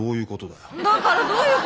だからどういうことですか？